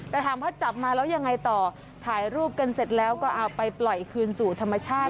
แต่ถามว่าจับมาแล้วยังไงต่อถ่ายรูปกันเสร็จแล้วก็เอาไปปล่อยคืนสู่ธรรมชาติ